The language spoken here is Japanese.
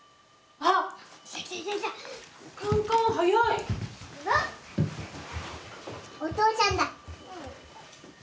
あっお父さんだ。